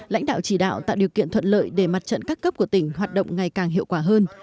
lãnh đạo chỉ đạo tạo điều kiện thuận lợi để mặt trận các cấp của tỉnh hoạt động ngày càng hiệu quả hơn